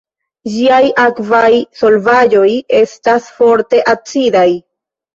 Ĝiaj akvaj solvaĵoj estas forte acidaj.